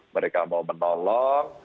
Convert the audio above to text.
mereka mau menolong